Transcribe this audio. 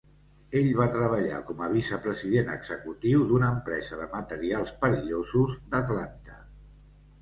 Ell va treballar com a vicepresident executiu d'una empresa de materials perillosos d'Atlanta.